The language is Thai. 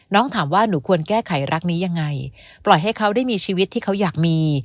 ถามว่าหนูควรแก้ไขรักนี้ยังไงปล่อยให้เขาได้มีชีวิตที่เขาอยากมี